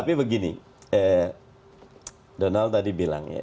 jadi seperti donald tadi bilang